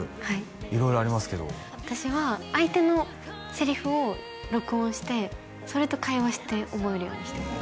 色々ありますけど私は相手のセリフを録音してそれと会話して覚えるようにしてます